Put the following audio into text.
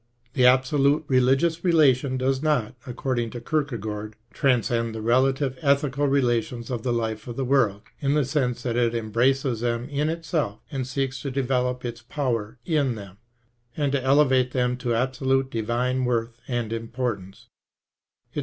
The absolute religious relation does not, according to Kierkegaard, transcend the relative ethical relations ot the life of the world in the sense that it embraces them in itself and 312 PHIL080FEY OF RELIGION. seeks to develop its power in them, and to elevate them to absolute divine worth and importance ; its.